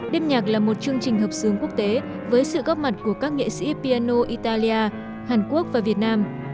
đêm nhạc là một chương trình hợp xướng quốc tế với sự góp mặt của các nghệ sĩ piano italia hàn quốc và việt nam